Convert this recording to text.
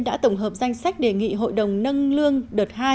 đã tổng hợp danh sách đề nghị hội đồng nâng bậc lương kế tiếp của ông thi